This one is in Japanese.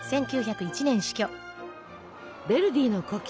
ヴェルディの故郷